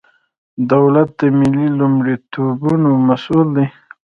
دولت د ملي لومړیتوبونو مسئول دی.